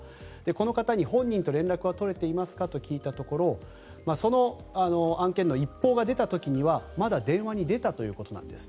この方に本人と連絡は取れていますかと聞いたところその案件の一報が出た時にはまだ電話に出たということなんです。